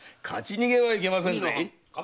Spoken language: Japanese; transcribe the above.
勝ち逃げはいけませんぜ。